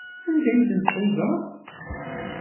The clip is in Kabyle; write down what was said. Anda ay ten-tḥuzaḍ?